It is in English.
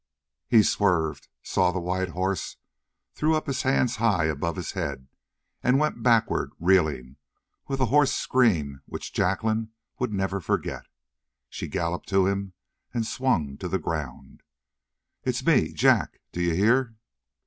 He swerved, saw the white horse, threw up his hands high above his head, and went backward, reeling, with a hoarse scream which Jacqueline would never forget. She galloped to him and swung to the ground. "It's me Jack. D'you hear?"